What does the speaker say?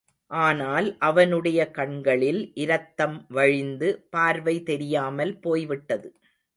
ஆனால் அவனுடைய கண்களில் இரத்தம் வழிந்து பார்வை தெரியாமல் போய்விட்டது.